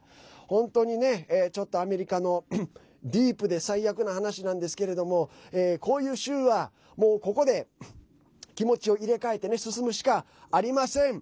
本当に、ちょっとアメリカのディープで最悪な話なんですけどこういう週はここで気持ちを入れ替えて進むしかありません。